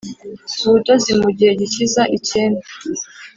ubudozi mugihe gikiza icyenda.